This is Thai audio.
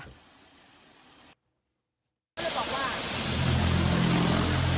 พี่เจมส์โดนขโมยมิเตอร์